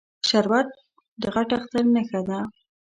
شربت د غټ اختر نښه ده